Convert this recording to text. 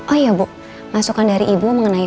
oh ya bu masukan dari ibu mengenai